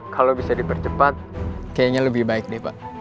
kalau bisa dipercepat kayaknya lebih baik deh pak